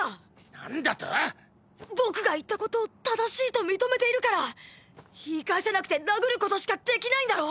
何だと⁉僕が言ったことを正しいと認めているから言い返せなくて殴ることしかできないんだろ？